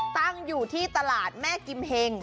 ตั้งอยู่ที่ตลาดแม่กิมเฮง